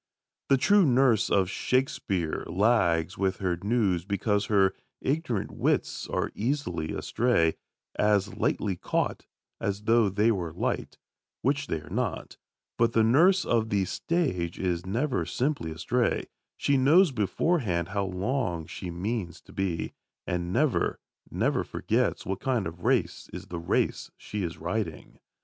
The true nurse of Shakespeare lags with her news because her ignorant wits are easily astray, as lightly caught as though they were light, which they are not; but the nurse of the stage is never simply astray: she knows beforehand how long she means to be, and never, never forgets what kind of race is the race she is riding.